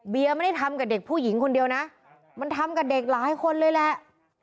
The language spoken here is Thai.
ไม่ได้ทำกับเด็กผู้หญิงคนเดียวนะมันทำกับเด็กหลายคนเลยแหละ